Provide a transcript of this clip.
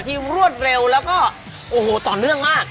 รวดเร็วแล้วก็โอ้โหต่อเนื่องมาก